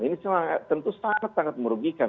ini tentu sangat sangat merugikan